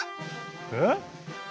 えっ？